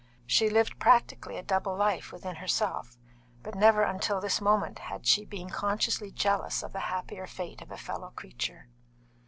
She lived practically a double life within herself, but never until this moment had she been consciously jealous of the happier fate of a fellow creature.